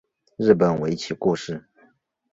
日本围棋故事